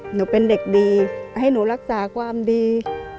หนูเป็นเด็กดีให้หนูรักษาความดี